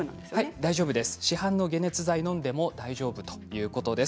大丈夫です、市販の解熱剤をのんでも大丈夫ということです。